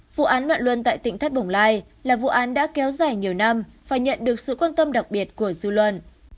vụ án loạn luân tại tỉnh thất bồng lai là vụ án đã kéo dài nhiều năm và nhận được sự quan tâm đặc biệt của dư luận